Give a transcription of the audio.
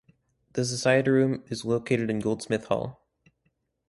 The society room is located in Goldsmith Hall.